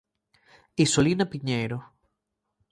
Isolina Piñeiro.